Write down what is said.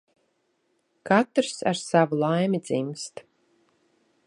Katrs ar savu laimi dzimst.